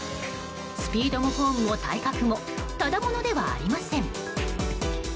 スピードもフォームも体格もただ者ではありません。